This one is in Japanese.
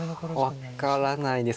分からないです